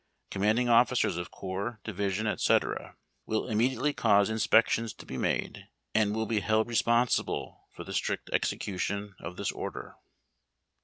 Commanding officers of Corps, Divisions, ifec, will immediately cause in spections to be made, and will be held responsible for the strict execution of this order.